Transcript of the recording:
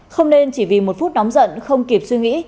không nên chỉ vì một phút nóng giận không kịp suy nghĩ